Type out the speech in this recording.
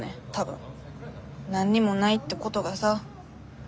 何にもないってことがさ。